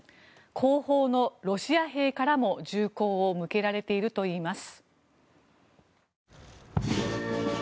後方のロシア兵からも銃口を向けられているといいます。